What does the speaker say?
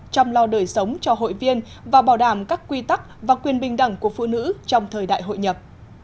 chăm lo đời sống cho hội viên và bảo đảm các quy tắc và quyền bình đẳng của phụ nữ trong thời đại hội nhập